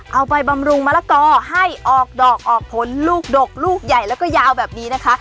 บำรุงมะละกอให้ออกดอกออกผลลูกดกลูกใหญ่แล้วก็ยาวแบบนี้นะคะ